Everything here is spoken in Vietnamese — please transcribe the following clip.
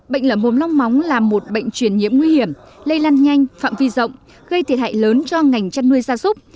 bệnh lở mồm long móng là một bệnh truyền nhiễm nguy hiểm lây lan nhanh phạm vi rộng gây thiệt hại lớn cho ngành chăn nuôi gia súc